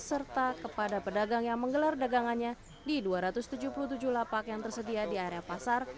serta kepada pedagang yang menggelar dagangannya di dua ratus tujuh puluh tujuh lapak yang tersedia di area pasar